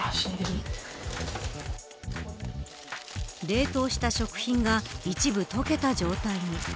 冷凍した食品が一部、溶けた状態に。